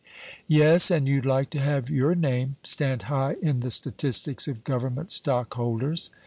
"Yes, and you'd like to have your name stand high in the statistics of Government stockholders.